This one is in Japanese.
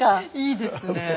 いいですね。